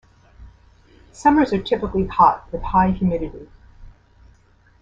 Summers are typically hot with high humidity.